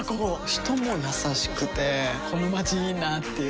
人も優しくてこのまちいいなぁっていう